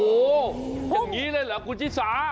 โอ้โหอย่างนี้เลยเหรอคุณชิสา